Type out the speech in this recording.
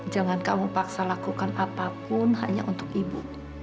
jangan kamu paksa lakukan apapun hanya untuk ibu